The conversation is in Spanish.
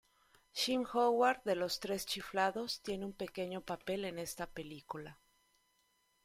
Shemp Howard de los Los Tres Chiflados, tiene un pequeño papel en esta película.